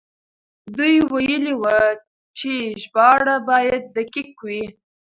دوی ويلي وو چې ژباړه بايد دقيق وي.